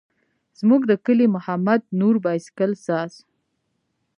زموږ د کلي محمد نور بایسکل ساز.